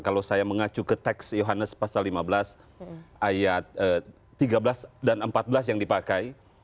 kalau saya mengacu ke teks yohannes pasal lima belas ayat tiga belas dan empat belas yang dipakai